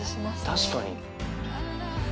確かに。